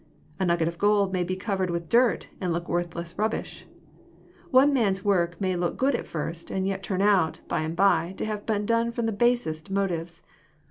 A nugget of gold may be covered with dirt, and look worthless rubbish. One man's work may look good at first, and yet turn out,„by and by, to ^ave been done fVom the basest motives.